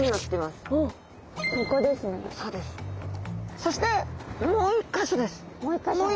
そしてもう一か所です。